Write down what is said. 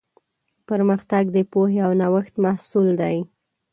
پرمختګ د پوهې او نوښت محصول دی.